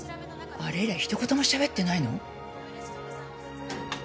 あれ以来ひと言もしゃべってないの？